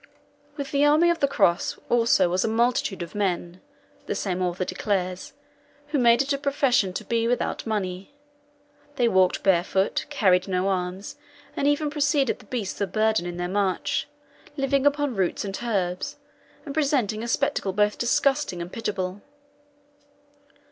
"With the army of the cross also was a multitude of men," the same author declares, "who made it a profession to be without money. They walked barefoot, carried no arms, and even preceded the beasts of burden in their march, living upon roots and herbs, and presenting a spectacle both disgusting and pitiable.